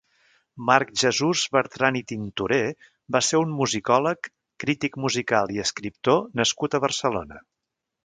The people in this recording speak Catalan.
Marc Jesús Bertran i Tintorer va ser un musicòleg, crític musical i escriptor nascut a Barcelona.